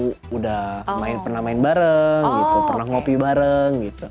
sudah pernah main bareng pernah ngopi bareng